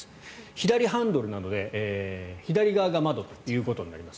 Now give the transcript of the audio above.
左ハンドルなので左側が窓ということになります。